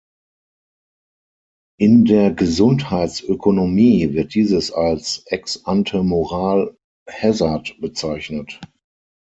In der Gesundheitsökonomie wird dieses als Ex-Ante-Moral-Hazard bezeichnet.